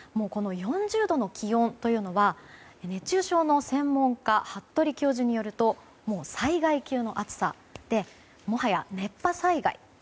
４０度の気温というのは熱中症の専門家服部教授によると災害級の暑さでもはや熱波災害。